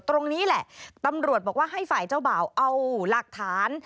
ตรงนี้แหละตำรวจบอกว่าให้ฝ่ายเจ้าบ่าวเอาหลักฐาน